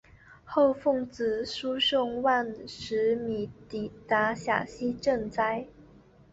后奉旨输送万石米抵达陕西赈灾。